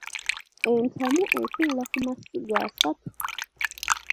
Entamu etuula ku masiga asatu.